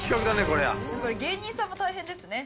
これ芸人さんも大変ですね。